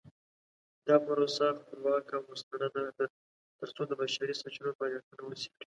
دا پروسه خپلواکه او مستنده ده ترڅو د بشري سرچینو فعالیتونه وڅیړي.